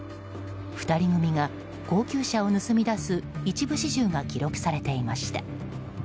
２人組が高級車を盗み出す一部始終が記録されていました。